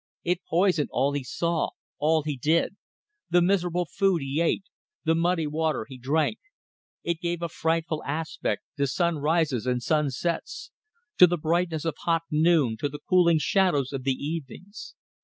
It poisoned all he saw, all he did; the miserable food he ate, the muddy water he drank; it gave a frightful aspect to sunrises and sunsets, to the brightness of hot noon, to the cooling shadows of the evenings.